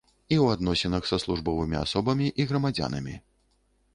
і ў адносінах са службовымі асобамі і грамадзянамі.